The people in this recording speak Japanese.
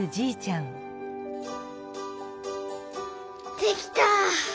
できた！